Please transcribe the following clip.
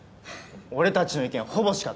俺たちの意見ほぼシカト。